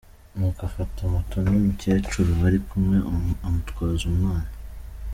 Nuko afata moto n’umukecuru bari kumwe amutwaza umwana.